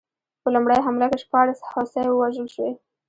په لومړۍ حمله کې شپاړس هوسۍ ووژل شوې.